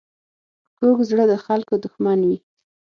کوږ زړه د خلکو دښمن وي